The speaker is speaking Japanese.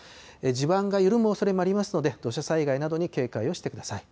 地盤が緩むおそれもありますので、土砂災害などに警戒をしてください。